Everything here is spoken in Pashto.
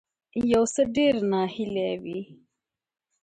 یو څه ډیر ناهیلی وي